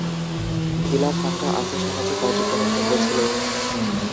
Villa Franca আর্থ-সামাজিক কার্যক্রমের কেন্দ্র ছিল।